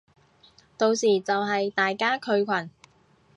到時就係大家退群